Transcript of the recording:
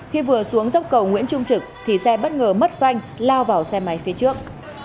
khi vừa xuống dốc cầu nguyễn trung trực thì xe bất ngờ mất phanh lao vào xe máy phía trước